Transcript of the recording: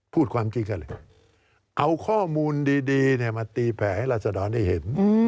พูดความจริงก็เลยเอาข้อมูลดีเนี่ยมาตีแผลให้รัฐบาลได้เห็น